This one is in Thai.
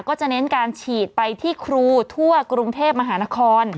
ก็จะเน้นการฉีดไปที่ครูทั่วกรุงเทพมหานคร